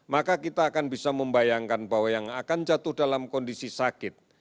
maka kita akan bisa membayangkan bahwa yang akan jatuh dalam kondisi sakit